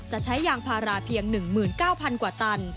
จะใช้ยางพาราเพียง๑๙๐๐กว่าตัน